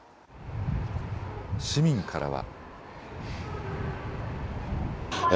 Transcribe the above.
市民からは。